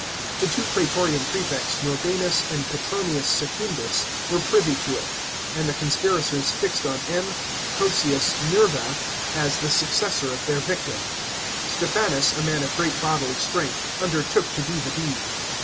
The two praetorian prefects Norbanus and Petronius Secundus were privy to it, and the conspirators fix<d on M. Cucceius Nerva as the successor of their victim. Stephanus, a man of great bodily strength, undertook to do the deed.